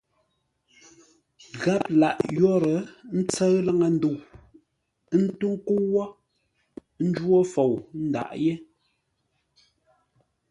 Gháp lâʼ yórə́, ə́ ntsə́ʉ laŋə́-ndə̂u, ə́ ntó ńkə́u wó ńjwó fou ńdâʼ yé.